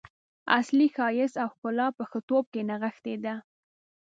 اصلي ښایست او ښکلا په ښه توب کې نغښتې ده.